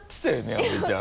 阿部ちゃん。